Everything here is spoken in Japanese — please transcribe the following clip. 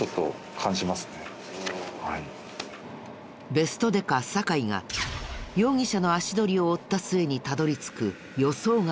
ベストデカ酒井が容疑者の足取りを追った末にたどり着く予想外の場所。